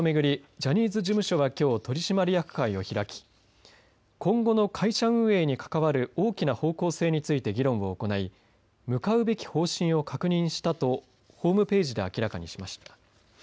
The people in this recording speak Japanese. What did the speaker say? ジャニーズ事務所はきょう取締役会を開き今後の会社運営に関わる大きな方向性について議論を行い向かうべき方針を確認したとホームページで明らかにしました。